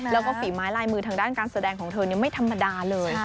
แล้วก็ฝีไม้ลายมือทางด้านการแสดงของเธอไม่ธรรมดาเลย